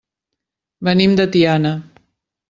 Venim de Tiana.